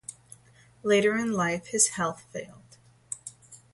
In later life his health failed.